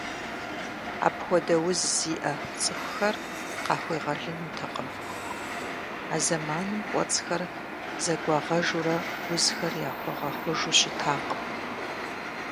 Апхуэдэ уз зиӏэ цӏыхухэр къахуегъэлынутэкъым, а зэманым кӏуэцӏхэр зэгуагъэжурэ узхэр яхуэгъэхъужу щытакъым.